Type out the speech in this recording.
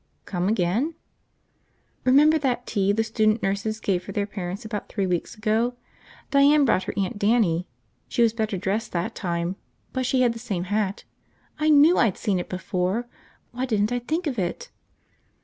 "Come again?" "Remember that tea the student nurses gave for their parents about three weeks ago? Diane brought her Aunt Dannie. She was better dressed that time, but she had the same hat. I knew I'd seen it before! Why didn't I think of it!"